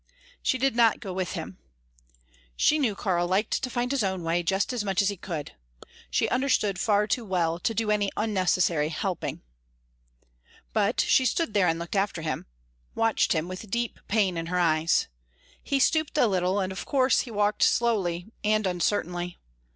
She did not go with him. She knew Karl liked to find his own way just as much as he could. She understood far too well to do any unnecessary "helping." But she stood there and looked after him watched him with deep pain in her eyes. He stooped a little, and of course he walked slowly, and uncertainly.